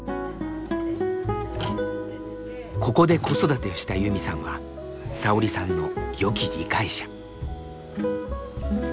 ここで子育てしたユミさんはさおりさんのよき理解者。